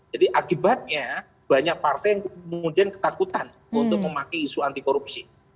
jadi akibatnya banyak partai yang kemudian ketakutan untuk memakai isu anti korupsi